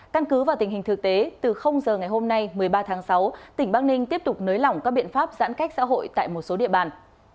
căn cứ vào tình hình thực tế từ giờ ngày hôm nay một mươi ba tháng sáu tỉnh bắc ninh tiếp tục nới lỏng các biện pháp giãn cách xã hội tại một số địa bàn